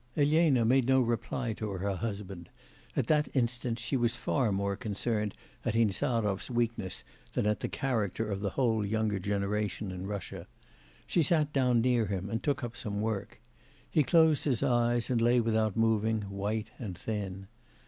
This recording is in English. Elena made no reply to her husband; at that instant she was far more concerned at Insarov's weakness than at the character of the whole younger generation in Russia. She sat down near him, and took up some work. He closed his eyes, and lay without moving, white and thin.